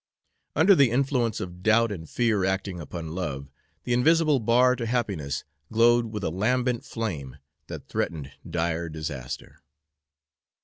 Under the influence of doubt and fear acting upon love, the invisible bar to happiness glowed with a lambent flame that threatened dire disaster.